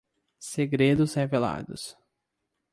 Segredos revelados